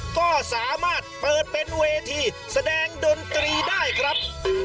ก็สามารถเปิดเป็นเวทีแสดงดนตรีได้ครับ